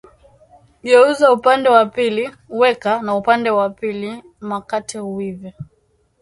Geuza upande wa pili weka na upande wa pili makate uive